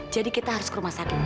jadi kita harus ke rumah sakit